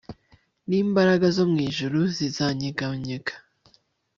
n imbaraga zo mu ijuru zizanyeganyega